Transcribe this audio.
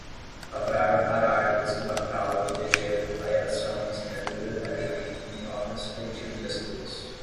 lavrar, arar, descompactá-la, degelo, aeração, semeadura, arejamento, minhocas, corretivos de acidez